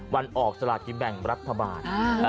วันออกสลากินแบ่งรัฐบาล